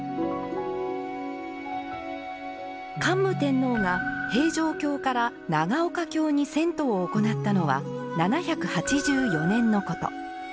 桓武天皇が平城京から長岡京に遷都を行ったのは７８４年のこと。